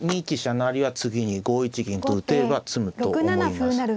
成は次に５一銀と打てれば詰むと思います。